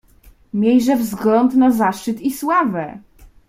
"Miejże wzgląd na zaszczyt i sławę!"